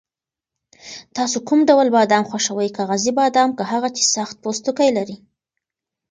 تاسو کوم ډول بادام خوښوئ، کاغذي بادام که هغه چې سخت پوستکی لري؟